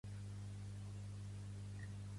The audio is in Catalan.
De seguida, però, mig abandona el terme de Nyer.